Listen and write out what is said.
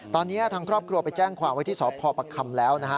ตอนนี้ทางครอบครัวไปแจ้งความว่าที่สอบพอบคครรมแล้วนะฮะ